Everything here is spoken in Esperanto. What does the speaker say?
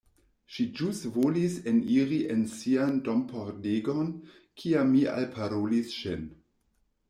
Ŝi ĵus volis eniri en sian dompordegon, kiam mi alparolis ŝin!